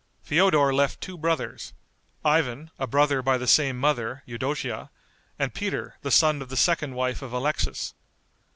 Feodor left two brothers Ivan, a brother by the same mother, Eudocia, and Peter, the son of the second wife of Alexis.